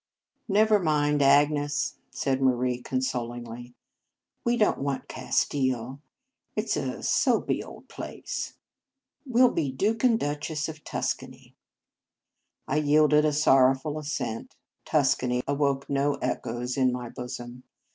" Never mind, Agnes," said Marie consolingly. " We don t want Castile. It s a soapy old place. We 11 be Duke and Duchess of Tuscany." I yielded a sorrowful assent. Tus cany awoke no echoes in my bosom.